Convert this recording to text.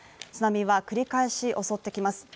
津波は繰り返し襲ってきます。